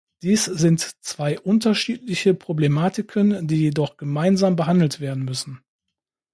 Dies sind zwei unterschiedliche Problematiken, die jedoch gemeinsam behandelt werden müssen.